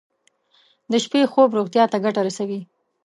د شپې خوب روغتیا ته ګټه رسوي.